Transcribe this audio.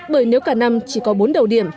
bởi nếu cả năm chỉ có bốn đầu điểm